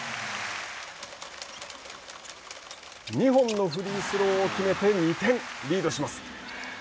２本のフリースローを決めて２点リードします。